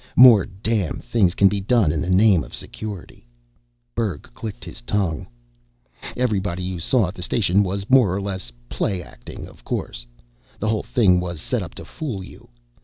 More damn things can be done in the name of Security " Berg clicked his tongue. "Everybody you saw at the station was more or less play acting, of course. The whole thing was set up to fool you.